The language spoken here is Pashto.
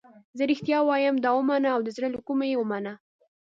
زه رښتیا وایم دا ومنه او د زړه له کومې یې ومنه.